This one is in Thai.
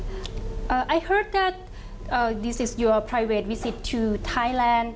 ผมได้ยินว่านี่คือคุณที่ไปที่ไทย